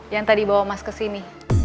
yang tadi bawa mas kesini